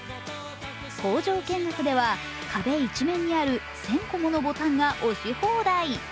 工場見学では、壁一面にある１０００個ものボタンが押し放題。